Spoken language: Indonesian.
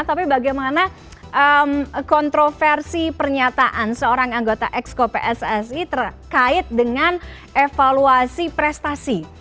tapi bagaimana kontroversi pernyataan seorang anggota exco pssi terkait dengan evaluasi prestasi